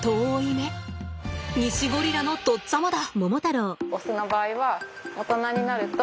ニシゴリラの父っつぁまだ。